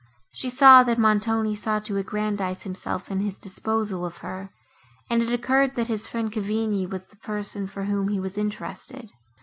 She saw, that Montoni sought to aggrandise himself in his disposal of her, and it occurred, that his friend Cavigni was the person, for whom he was interested.